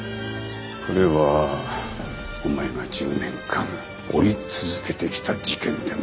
これはお前が１０年間追い続けてきた事件でもある。